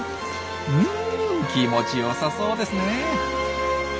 うん気持ちよさそうですね。